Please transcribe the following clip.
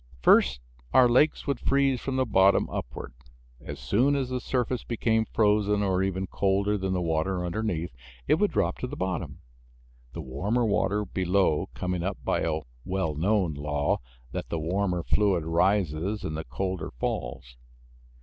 First, our lakes would freeze from the bottom upward; as soon as the surface became frozen, or even colder than the water underneath, it would drop to the bottom, the warmer water below coming up by a well known law that the warmer fluid rises and the colder falls.